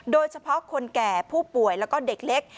โดยเฉพาะคนแก่ผู้ป่วยแล้วก็เด็กเล็ก